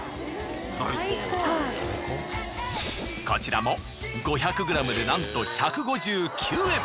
こちらも５００ｇでなんと１５９円。